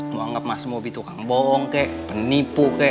mau anggap mas bobi tukang bohong kek penipu kek